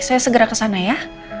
saya segera ke sana ya